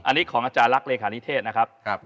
อันนี้ของอาจารย์ลักษ์เลขานิเทศนะครับ